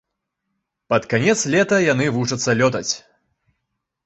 Пад канец лета яны вучацца лётаць.